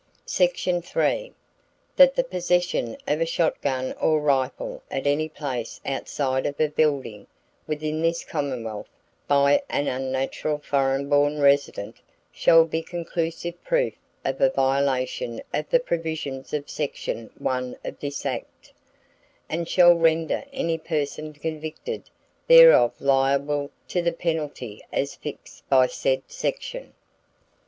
Section 3. That the possession of a shotgun or rifle at any place outside of a building, within this Commonwealth, by an unnaturalized foreign born resident, shall be conclusive proof of a violation of the provisions of section one of this act, and shall render any person convicted thereof liable to the penalty as fixed by said section.